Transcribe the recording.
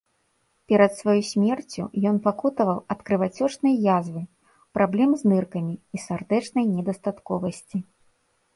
Перад сваёй смерцю ён пакутаваў ад крывацёчнай язвы, праблем з ныркамі і сардэчнай недастатковасці.